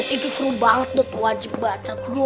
itu seru banget wajib baca tuh